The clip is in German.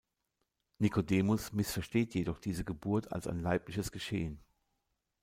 Nikodemus missversteht jedoch diese Geburt als ein leibliches Geschehen.